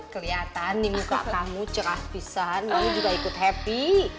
kelihatan di muka kamu cerah pisan lalu juga ikut happy